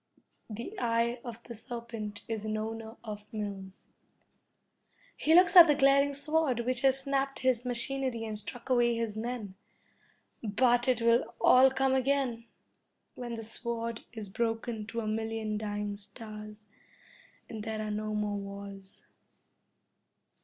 The eye of the serpent is an owner of mills. He looks at the glaring sword which has snapped his machinery and struck away his men. But it will all come again, when the sword is broken to a million dying stars, and there are no more wars.